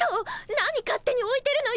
何勝手においてるのよ！